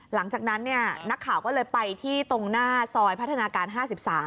หลังจากนั้นเนี่ยนักข่าวก็เลยไปที่ตรงหน้าซอยพัฒนาการห้าสิบสาม